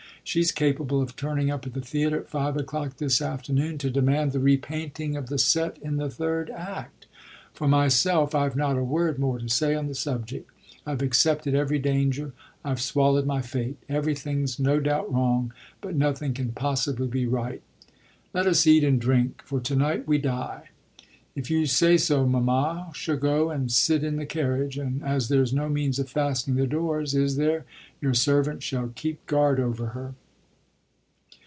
She's capable of turning up at the theatre at five o'clock this afternoon to demand the repainting of the set in the third act. For myself I've not a word more to say on the subject I've accepted every danger, I've swallowed my fate. Everything's no doubt wrong, but nothing can possibly be right. Let us eat and drink, for to night we die. If you say so mamma shall go and sit in the carriage, and as there's no means of fastening the doors (is there?) your servant shall keep guard over her."